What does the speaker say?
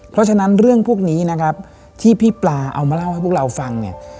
เพราะฉะนั้นเรื่องพวกนี้นะครับที่พี่ปลาเอามาเล่าให้พวกเราฟังเนี่ย